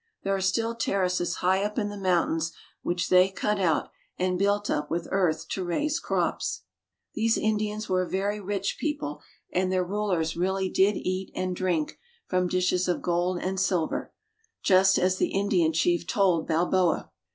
There are still terraces high up in the mountains which they cut out and built up with earth to raise crops. These Indians were a very rich people, and their rulers really did eat and drink from dishes of gold and silver, just as the Indian chief told Balboa.